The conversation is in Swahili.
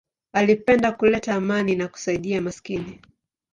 Alipenda kuleta amani na kusaidia maskini.